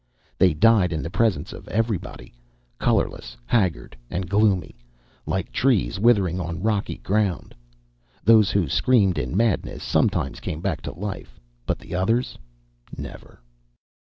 They died in the presence of everybody, colourless, haggard and gloomy, like trees withering on rocky ground. Those who screamed in madness sometimes came back to life; but the others, never.